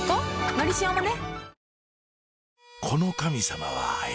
「のりしお」もね